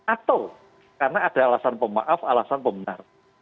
atau karena ada alasan pemaaf alasan pembenar